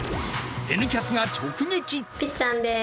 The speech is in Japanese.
「Ｎキャス」が直撃。